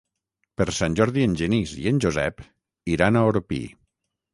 Per Sant Jordi en Genís i en Josep iran a Orpí.